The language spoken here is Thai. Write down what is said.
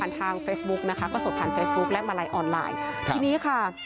ทางเฟซบุ๊กนะคะก็สดผ่านเฟซบุ๊คและมาลัยออนไลน์ทีนี้ค่ะ